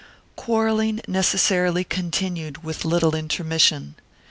1 Quarrelling necessarily continued with little intermission.